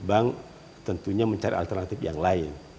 bank tentunya mencari alternatif yang lain